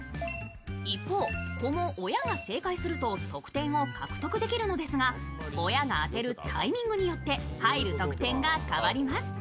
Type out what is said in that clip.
一方、子も親が正解すると得点を獲得できるのですが親が当てるタイミングによって入る得点が変わります。